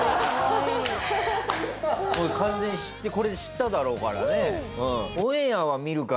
これ完全に知ってこれで知っただろうからね。